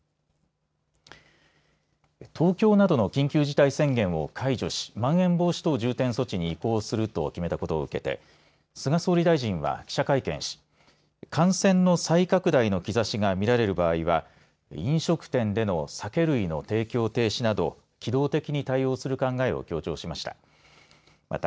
東京などの緊急事態宣言を解除しまん延防止等重点措置に移行すると決めたことを受け菅総理大臣は記者会見し感染の再拡大の兆しが見られる場合は飲食店での酒類の提供停止など機動的に対応する考えを強調しました。